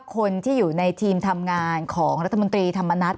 คนที่อยู่ในทีมทำงานของรัฐมนตรีธรรมนัฐ